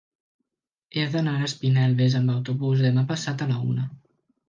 He d'anar a Espinelves amb autobús demà passat a la una.